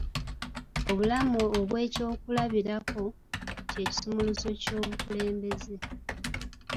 Obulamu obw'ekyokulabirako kye kisumuluzo ky'obukulembeze.